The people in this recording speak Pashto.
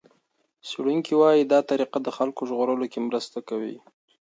څېړونکي وايي دا طریقه د خلکو ژغورلو کې مرسته کوي.